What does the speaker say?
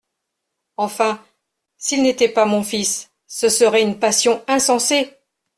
Enfin, s’il n’était pas mon fils, ce serait une passion insensée !